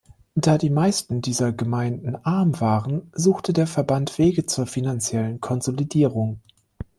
Da die meisten dieser Gemeinden arm waren, suchte der Verband Wege zur finanziellen Konsolidierung.